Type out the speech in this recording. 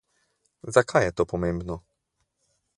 Zakaj je to pomembno?